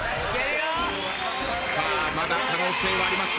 さあまだ可能性はあります。